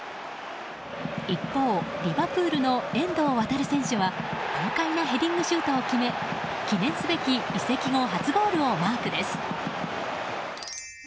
一方、リバプールの遠藤航選手は豪快なヘディングシュートを決め記念すべき移籍後初ゴールをマークです。